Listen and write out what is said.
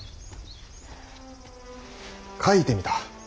書いてみた。